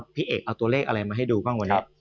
พี่เอกเอาตัวเลขอะไรมาให้ดูบ้างวันนี้